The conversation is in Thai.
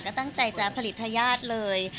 ก็ตั้งใจจะผลิตทายาทเลย